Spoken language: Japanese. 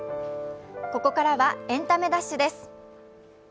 ここからは「エンタメダッシュ」です。